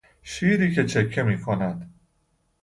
شیری که چکه میکند.